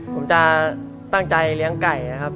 ผมจะตั้งใจเลี้ยงไก่นะครับ